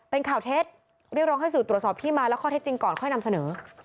เป็นข่าวเท็จเรียกร้องให้สื่อตรวจสอบที่มาและข้อเท็จจริงก่อนค่อยนำเสนอ